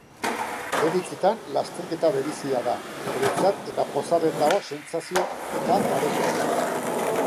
Bere hitzetan, lasterketa berezia da beretzat eta pozarren dago sentsazio eta garaipenarekin.